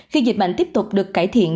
khi dịch bệnh tiếp tục được cải thiện